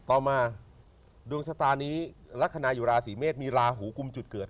ต่อมาดวงชะตานี้ลักษณะอยู่ราศีเมษมีลาหูกุมจุดเกิด